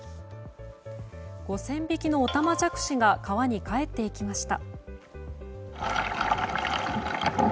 ５０００匹のオタマジャクシが川に帰っていきました。